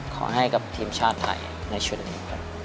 ให้กับทีมชาติไทยในชุดนี้ครับ